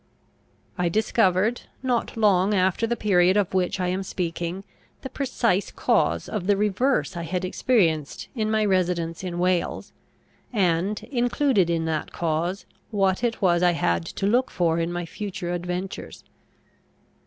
I discovered, not long after the period of which I am speaking, the precise cause of the reverse I had experienced in my residence in Wales, and, included in that cause, what it was I had to look for in my future adventures.